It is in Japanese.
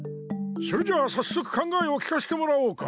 それじゃあさっそく考えを聞かしてもらおうか。